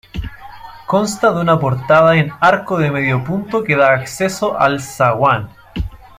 Consta de una portada en arco de medio punto que da acceso al zaguán.